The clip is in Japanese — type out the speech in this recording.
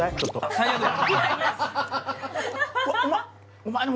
最悪や。